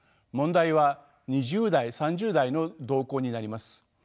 問題は２０代３０代の動向になります。